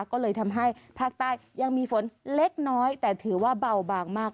ก็เลยทำให้ภาคใต้ยังมีฝนเล็กน้อยแต่ถือว่าเบาบางมาก